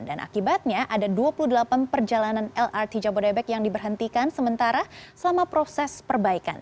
dan akibatnya ada dua puluh delapan perjalanan lrt jabodebek yang diberhentikan sementara selama proses perbaikan